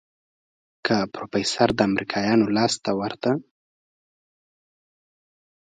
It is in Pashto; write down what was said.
که پروفيسر د امريکايانو لاس ته ورته.